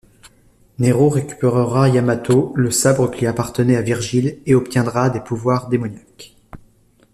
Nero récupérera Yamato, le sabre qui appartenait à Vergil et obtiendra des pouvoirs démoniaques.